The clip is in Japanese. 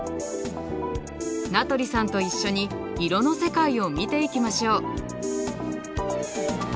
名取さんと一緒に色の世界を見ていきましょう。